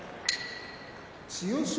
千代翔